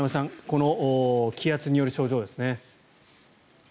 この気圧による症状ですね。